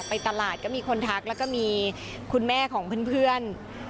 ไปตลาดก็มีคนทักแล้วก็มีคุณแม่ของเพื่อน